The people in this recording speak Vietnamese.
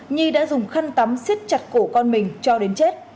nhi đã dùng khăn tắm xích chặt cổ con mình cho đến chết